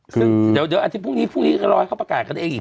ซึ่งเดี๋ยวอาทิตย์พรุ่งนี้พรุ่งนี้ก็รอให้เขาประกาศกันเองอีก